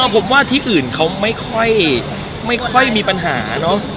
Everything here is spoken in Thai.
อ๋อผมว่าที่อื่นเขาไม่ค่อยไม่ค่อยมีปัญหาเนอะ